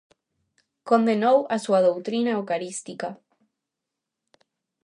Condenou a súa doutrina eucarística.